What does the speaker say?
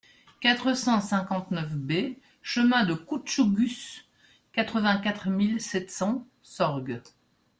quatre cent cinquante-neuf B chemin de Coutchougus, quatre-vingt-quatre mille sept cents Sorgues